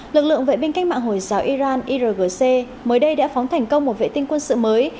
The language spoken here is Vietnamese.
lực lượng vệ binh cách mạng hồi giáo iran irgc mới đây đã phóng thành công một vệ tinh quân sự mới